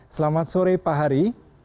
selamat sore pak hari